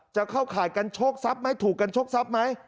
จะเข้าข่ายกันโชคทรัพย์ไหมถูกกันโชคทรัพย์ไหม